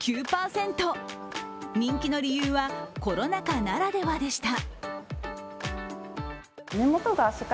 人気の理由は、コロナ禍ならではでした。